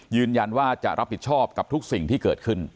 ยืนยันว่าจะรับผิดชอบกับทุกสิ่งที่เกิดขึ้น